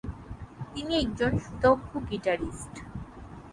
তিনি একজন সুদক্ষ গীটারিষ্ট।